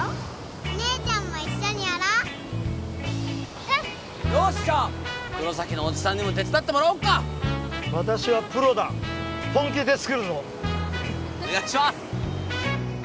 お姉ちゃんも一緒にやろうんよしじゃあ黒崎のおじさんにも手伝ってもらおっか私はプロだ本気で作るぞお願いします！